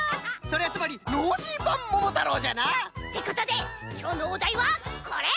それはつまりノージーばん「ももたろう」じゃな？ってことできょうのおだいはこれ！